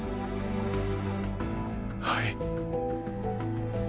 はい。